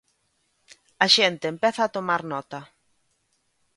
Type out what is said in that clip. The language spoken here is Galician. A xente empeza a tomar nota.